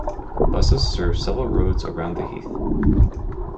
Buses serve several roads around the heath.